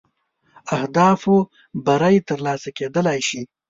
اهدافو بری تر لاسه کېدلای شي.